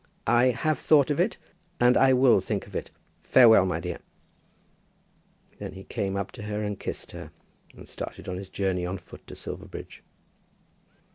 "I have thought of it, and I will think of it. Farewell, my dear." Then he came up to her and kissed her, and started on his journey on foot to Silverbridge.